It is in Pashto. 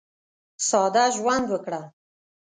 ساده ژوند وکړه.